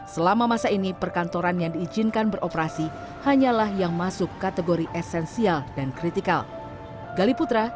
selama masa ini perkantoran yang diizinkan beroperasi hanyalah yang masuk kategori esensial dan kritikal